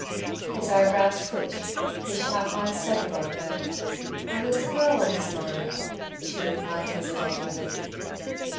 His eyebrows twitched, his sharp eyes settled on her. "There's a girl on his mind," she replied hesitatingly.